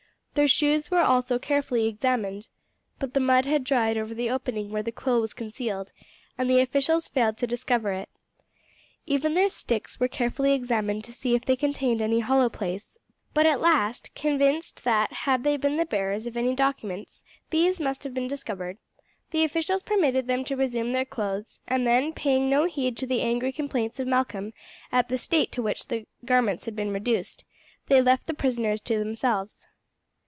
Their shoes were also carefully examined; but the mud had dried over the opening where the quill was concealed, and the officials failed to discover it. Even their sticks were carefully examined to see if they contained any hollow place; but at last, convinced that had they been the bearers of any documents these must have been discovered, the officials permitted them to resume their clothes, and then paying no heed to the angry complaints of Malcolm at the state to which the garments had been reduced, they left the prisoners to themselves.